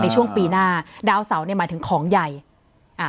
ในช่วงปีหน้าดาวเสาเนี้ยหมายถึงของใหญ่อ่า